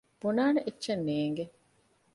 ބުނާނެ އެއްޗެއް ނޭނގެ